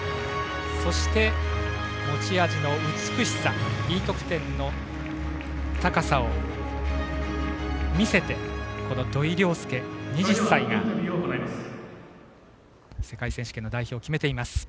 そして、持ち味の美しさＥ得点の高さを見せてこの土井陵輔、２０歳が世界選手権の代表を決めています。